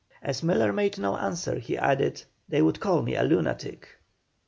As Miller made no answer, he added "They would call me a lunatic."